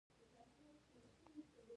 د میرمنو کار د سولې جوړولو مرسته کوي.